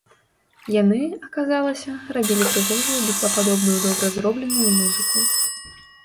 Яны, аказалася, рабілі прыгожую бітлападобную добра зробленую музыку.